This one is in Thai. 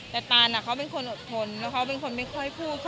แต่ตานเขาเป็นคนอดทนแล้วเขาเป็นคนไม่ค่อยพูด